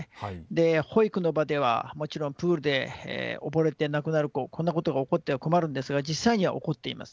保育の場ではもちろんプールで溺れて亡くなる子こんなことが起こっては困るんですが実際には起こっています。